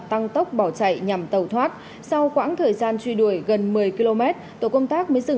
tăng tốc bỏ chạy nhằm tàu thoát sau quãng thời gian truy đuổi gần một mươi km tổ công tác mới dừng